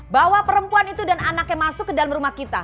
bahwa perempuan itu dan anaknya masuk ke dalam rumah kita